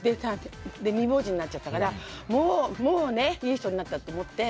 で、未亡人になっちゃったからもう、いい人になったって思って。